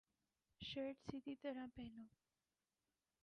shirt سیدھی طرح پہنو